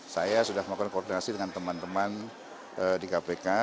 saya sudah melakukan koordinasi dengan teman teman di kpk